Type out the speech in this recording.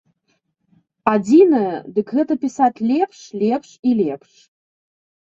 Адзінае, дык гэта пісаць лепш, лепш і лепш.